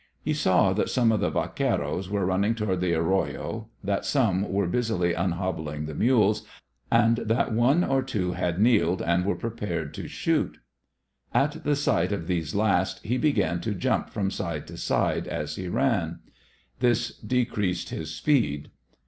He saw that some of the vaqueros were running toward the arroya, that some were busily unhobbling the mules, and that one or two had kneeled and were preparing to shoot. At the sight of these last, he began to jump from side to side as he ran. This decreased his speed.